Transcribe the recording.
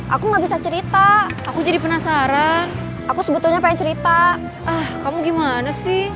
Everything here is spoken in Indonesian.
aku gak bisa cerita aku jadi penasaran aku sebetulnya pengen cerita ah kamu gimana sih